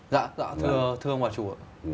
dạ dạ thưa ông bà chủ ạ